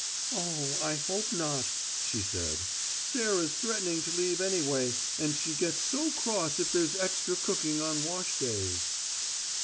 "Oh, I hope not," she said. "Sarah's threatening to leave, anyway; and she gets so cross if there's extra cooking on wash days."